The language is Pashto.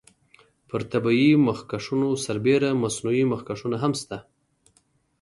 پر طبیعي مخکشونو سربیره مصنوعي مخکشونه هم شته.